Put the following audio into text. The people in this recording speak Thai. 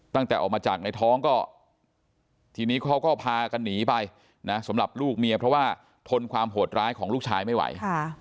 ตั้งแต่ออกมาจากในท้องก็ทีนี้เขาก็พากันหนีไปนะสำหรับลูกเมียเพราะว่าทนความโหดร้ายของลูกชายไม่ไหว